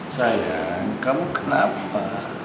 sayang kamu kenapa